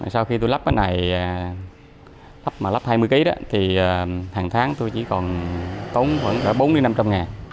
sau khi tôi lắp cái này lắp hai mươi kg đó thì hàng tháng tôi chỉ còn tốn khoảng bốn trăm linh năm trăm linh ngàn